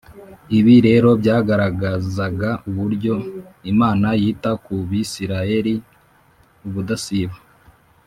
ibi rero byagaragazaga uburyo imana yita ku bisirayeli ubudasiba